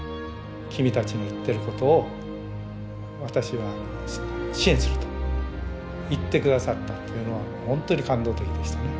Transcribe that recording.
君たちの言ってることを私は支援すると言って下さったっていうのはもうほんとに感動的でしたね。